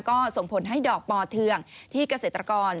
ก็ส่งผลให้ดอกปอเทืองที่เกษตรกร